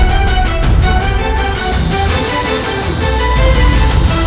belalangnya sudah pergi maman